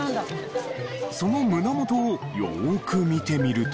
その胸元をよーく見てみると。